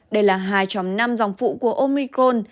đây là hai năm dòng phụ của omicron